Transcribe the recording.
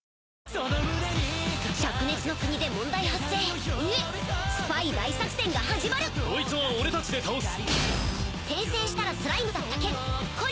灼熱の国で問題発生スパイ大作戦が始まるこいつは俺たちで倒す。